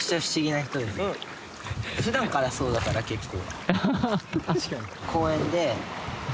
普段からそうだから結構。